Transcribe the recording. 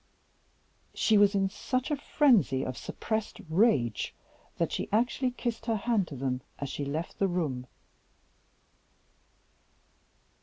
She was in such a frenzy of suppressed rage that she actually kissed her hand to them as she left the room!